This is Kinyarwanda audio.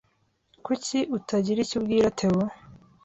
Kuki utagira icyo ubwira Theo?